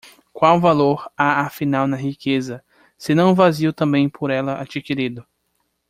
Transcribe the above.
qual valor há afinal na riqueza, se não o vazio também por ela adquirido?